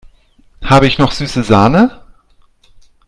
Habe ich noch süße Sahne?